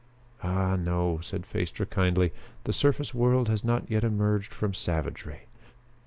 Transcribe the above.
"Ah, no," said Phaestra kindly, "the surface world has not yet emerged from savagery.